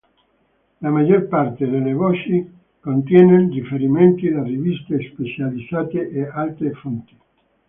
La maggior parte delle voci contiene riferimenti da riviste specializzate e altre fonti.